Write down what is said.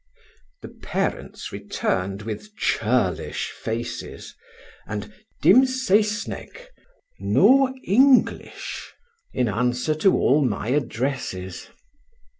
The parents returned with churlish faces, and "Dym Sassenach" (no English) in answer to all my addresses.